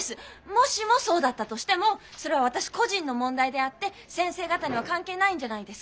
もしもそうだったとしてもそれは私個人の問題であって先生方には関係ないんじゃないですか？